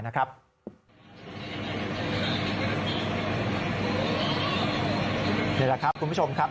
นี่แหละครับคุณผู้ชมครับ